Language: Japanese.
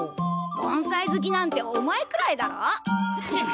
盆栽好きなんてお前くらいだろ。